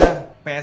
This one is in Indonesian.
mas sudah pergi mas